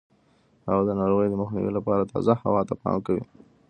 هغه د ناروغیو د مخنیوي لپاره تازه هوا ته پام کوي.